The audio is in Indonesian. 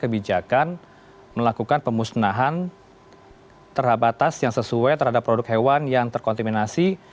kebijakan melakukan pemusnahan terhabatas yang sesuai terhadap produk hewan yang terkontaminasi